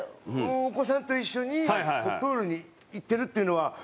お子さんと一緒にプールに行ってるっていうのは。